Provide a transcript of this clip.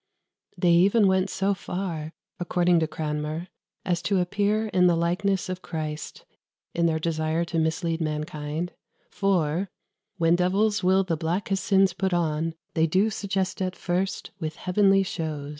" They even went so far, according to Cranmer, as to appear in the likeness of Christ, in their desire to mislead mankind; for "When devils will the blackest sins put on, They do suggest at first with heavenly shows."